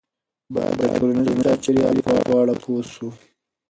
باید د ټولنیز چاپیریال په اړه پوه سو.